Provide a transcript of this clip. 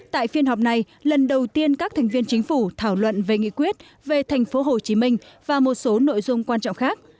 tại phiên họp này lần đầu tiên các thành viên chính phủ thảo luận về nghị quyết về thành phố hồ chí minh và một số nội dung quan trọng khác